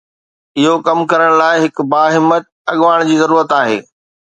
اهو ڪم ڪرڻ لاء هڪ باهمت اڳواڻ جي ضرورت آهي.